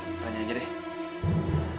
kau gak dateng dateng sih ya